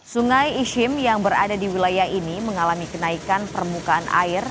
sungai ishim yang berada di wilayah ini mengalami kenaikan permukaan air